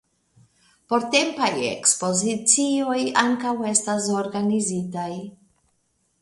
Portempaj ekspozicioj ankaŭ estas organizitaj.